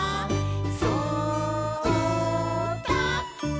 「そうだ」